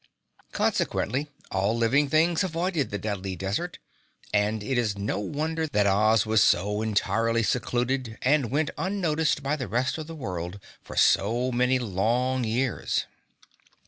Consequently, all living things avoided the Deadly Desert, and it is no wonder that Oz was so entirely secluded and went unnoticed by the rest of the world for so many long years.